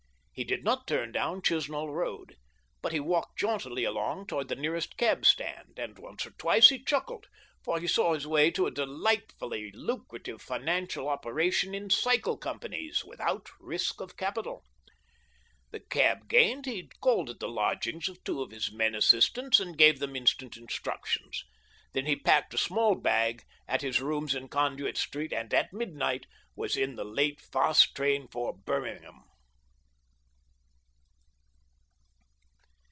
He did not turn down Chisnall Eoad. But he walked jauntily along toward the nearest cab stand, and once or twice he chuckled, for he saw his way to a delightfully lucrative financial operation in cycle companies, without risk of capital. The cab gained, he called at the lodgings of two of his men assistants and gave them instant instructions. Then he packed a small bag at his 4£ I "AVALANCHE BICYCLE AND TYRE CO., LTD." 177 rooms m Conduit Street, and at midnight was in the late fast train for Birmingham.